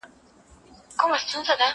زه کولای سم انځور وګورم!؟